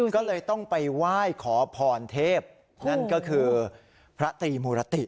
ก็เลยต้องไปไหว้ขอพรเทพนั่นก็คือพระตรีมุรติ